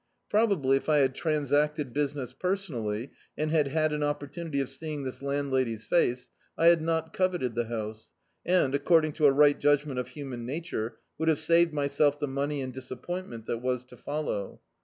Probably if I had transacted business personally, and had had an opportunity of seeing this landlady's face, I had not coveted the house, and, according to a ri^t judg ment of human nature, would have saved myself the money and disappointment that was to follow.